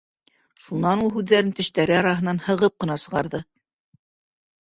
Шунан ул һүҙҙәрен тештәре араһынан һығып ҡына сығарҙы: